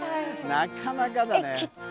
なかなかだね。